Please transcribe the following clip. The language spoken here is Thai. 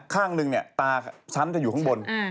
ข้างหนึ่งเนี่ยตาฉันจะอยู่ข้างบน